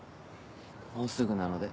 もうすぐなので。